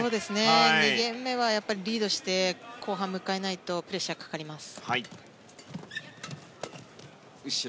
２ゲーム目はリードして後半を迎えないとプレッシャーがかかります。